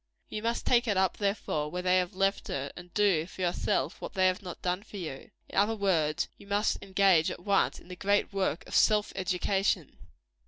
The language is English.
You must take it up, therefore, where they have left it; and do, for yourself, what they have not done for you. In other words, you must engage, at once, in the great work of self education.